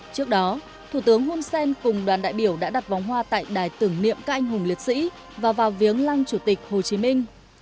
trước đó thủ tướng hun sen cùng đoàn đại biểu đã đặt vòng hoa tại đài tưởng niệm các anh hùng liệt sĩ và vào viếng lăng chủ tịch hồ chí minh